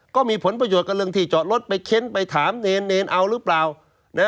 ก็มีผลประโยชน์กับเรื่องที่จอดรถไปเค้นไปถามเนรเนรเอาหรือเปล่านะ